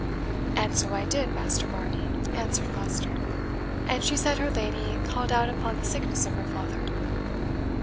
"And so I did, Master Varney," answered Foster; "and she said her lady called out upon the sickness of her father."